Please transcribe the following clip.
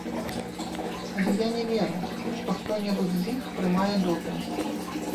Але я не веру, што хто-небудзь з іх прымае допінг.